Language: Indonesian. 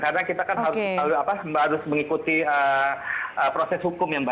karena kita kan harus mengikuti proses hukum ya mbak